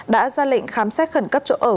đã ra lệnh khám xét khẩn cấp chỗ ở